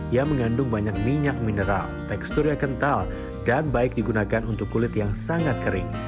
yang mengandung banyak minyak mineral teksturnya kental dan baik digunakan untuk kulit yang sangat kering